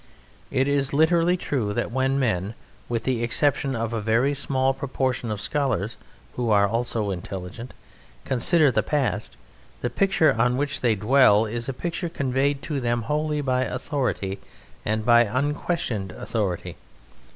It is literally true that when men (with the exception of a very small proportion of scholars who are also intelligent) consider the past, the picture on which they dwell is a picture conveyed to them wholly by authority and by unquestioned authority.